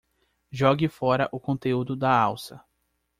Jogue fora o conteúdo da alça